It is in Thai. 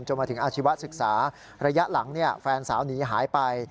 มาถึงอาชีวศึกษาระยะหลังแฟนสาวหนีหายไป